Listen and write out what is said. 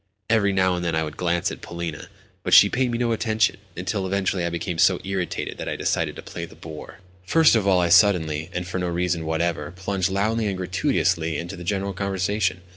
Every now and then I would glance at Polina Alexandrovna, but she paid me no attention; until eventually I became so irritated that I decided to play the boor. First of all I suddenly, and for no reason whatever, plunged loudly and gratuitously into the general conversation.